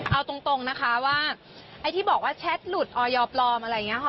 เอาตรงนะคะว่าไอ้ที่บอกว่าแชทหลุดออยปลอมอะไรอย่างนี้ค่ะ